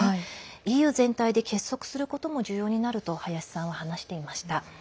ＥＵ全体で結束することも重要になると林さんは話していました。